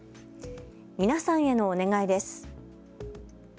皆さんへのお願いです。